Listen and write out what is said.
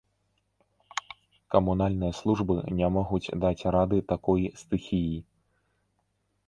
Камунальныя службы не могуць даць рады такой стыхіі.